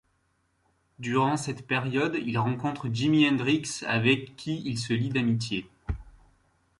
Durant cette période, il rencontre Jimi Hendrix avec qui il se lie d'amitié.